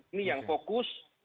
ini yang fokus